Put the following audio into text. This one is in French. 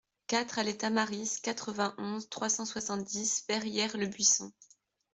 quatre allée Tamaris, quatre-vingt-onze, trois cent soixante-dix, Verrières-le-Buisson